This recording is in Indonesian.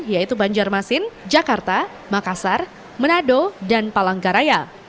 yaitu banjarmasin jakarta makassar manado dan palangkaraya